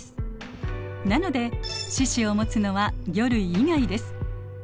なので四肢をもつのは魚類以外です。